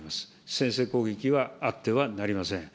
先制攻撃はあってはなりません。